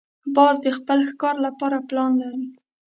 باز د خپل ښکار لپاره پلان لري